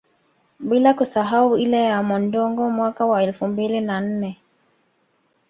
Bila kusahau ile ya Mondongo mwaka wa elfu mbili na nne